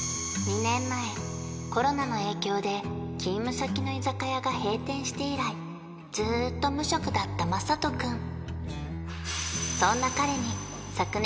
２年前コロナの影響で勤務先の居酒屋が閉店して以来ずっと無職だったまさと君